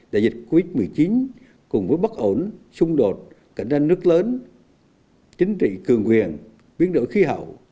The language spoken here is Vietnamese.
đại dịch covid một mươi chín cùng với bất ổn xung đột cạnh tranh nước lớn chính trị cường quyền biến đổi khí hậu